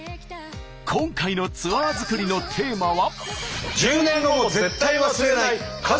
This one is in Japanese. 今回のツアー作りのテーマは。